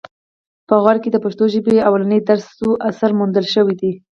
په غور کې د پښتو ژبې لومړنی ترلاسه شوی اثر موندل شوی دی